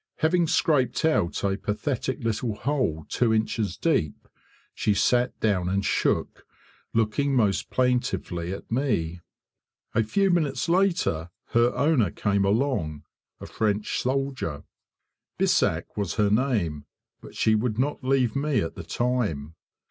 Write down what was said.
Having scraped out a pathetic little hole two inches deep, she sat down and shook, looking most plaintively at me. A few minutes later, her owner came along, a French soldier. Bissac was her name, but she would not leave me at the time.